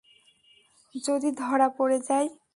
যদি ধরা পড়ে যাই?